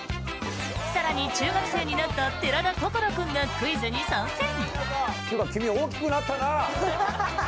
更に、中学生になった寺田心君がクイズに参戦！